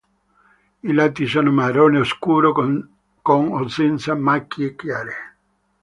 I lati sono marrone scuro con o senza macchie chiare.